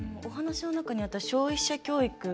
お話の中にあった消費者教育。